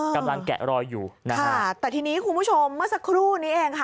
กำลังแกะรอยอยู่ค่ะแต่ทีนี้คุณผู้ชมเมื่อสักครู่นี้เอง